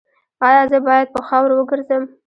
ایا زه باید په خاورو وګرځم؟